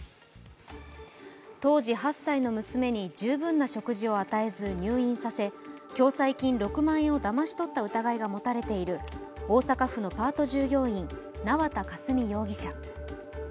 当時８歳の娘に十分な食事を与えず入院させ、共済金６万円をだまし取った疑いが持たれている大阪府のパート従業員縄田佳純容疑者。